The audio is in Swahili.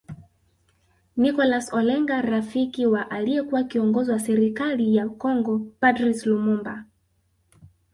Nicholas Olenga rafiki wa aliekua kiongozo wa serikali ya Kongo Patrice Lumumba